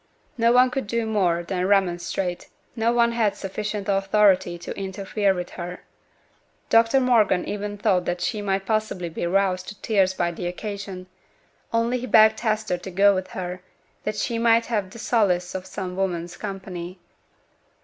No one could do more than remonstrate: no one had sufficient authority to interfere with her. Dr Morgan even thought that she might possibly be roused to tears by the occasion; only he begged Hester to go with her, that she might have the solace of some woman's company.